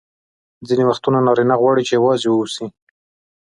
ځیني وختونه نارینه غواړي چي یوازي واوسي.